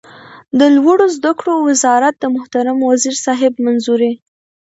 د لوړو زده کړو وزارت د محترم وزیر صاحب منظوري